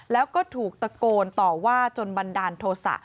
แล้วก็ถูกตะโกนต่อว่าจนบันดาลโทษะ